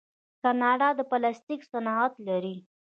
کاناډا د پلاستیک صنعت لري.